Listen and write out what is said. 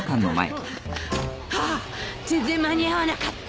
ああ全然間に合わなかったわ。